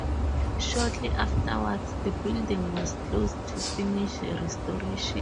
Shortly afterwards, the building was closed to finish the restoration.